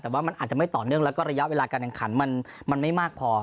แต่ว่ามันอาจจะไม่ต่อเนื่องแล้วก็ระยะเวลาการแข่งขันมันไม่มากพอ